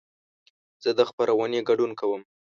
زه د خپرونې ګډون کوم.